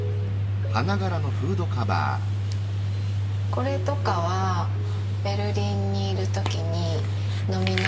これとかはベルリンにいる時に蚤の市で見つけて。